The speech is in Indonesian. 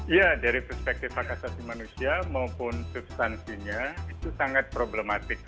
ya dari perspektif akasasi manusia maupun substansinya itu sangat problematik